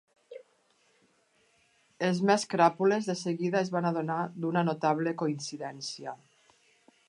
Els més cràpules de seguida es van adonar d'una notable coincidència.